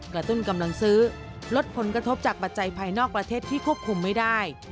ตุ้นกำลังซื้อลดผลกระทบจากปัจจัยภายนอกประเทศที่ควบคุมไม่ได้